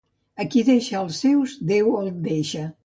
A qui deixa els seus, Déu el deixa.